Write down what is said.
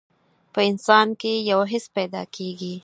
په انسان کې يو حس پيدا کېږي.